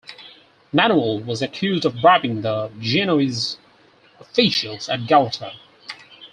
Manuel was accused of bribing the Genoese officials at Galata.